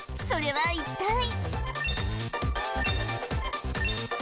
それは一体？